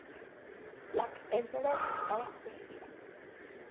Black Emperor estaba de gira.